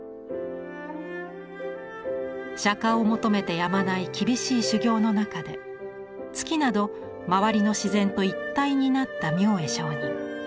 釈迦を求めてやまない厳しい修行の中で月など周りの自然と一体になった明恵上人。